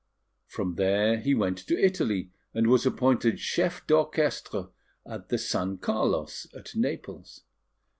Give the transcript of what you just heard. From there he went to Italy, and was appointed Chef d'Orchestre at the San Carlos at Naples.